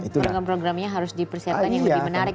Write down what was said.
program programnya harus dipersiapkan yang lebih menarik